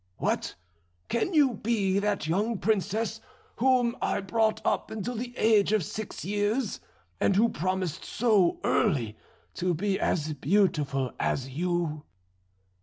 'What! can you be that young princess whom I brought up until the age of six years, and who promised so early to be as beautiful as you?'